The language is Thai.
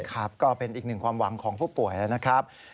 ก็เป็นอีกหนึ่งความหวังของผู้ป่วยแล้วนะครับ